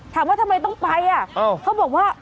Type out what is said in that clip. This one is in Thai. ถามว่าทำไมต้องไปอ่ะเขาบอกว่า